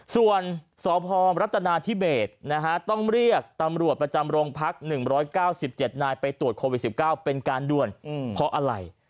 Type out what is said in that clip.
ส่วนสพรัฐนาธิเบสต้องเรียกตำรวจประจำโรงพัก๑๙๗นายไปตรวจโควิด๑๙เป็นการด่วนเพราะอะไร